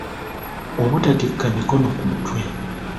Obutatikka mikono ku mutwe.